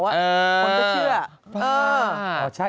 บอกชื่อ